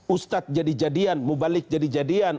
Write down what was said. ustadz jadi jadian mubalik jadi jadian